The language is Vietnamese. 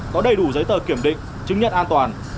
có đầy đủ giấy tờ kiểm định chứng nhận an toàn